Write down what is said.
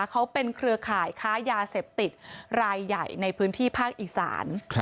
เขาเป็นเครือข่ายค้ายาเสพติดรายใหญ่ในพื้นที่ภาคอีสาน